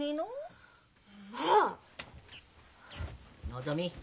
のぞみ。